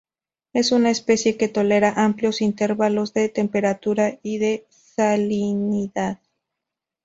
Es una especie que tolera amplios intervalos de temperatura y de salinidad.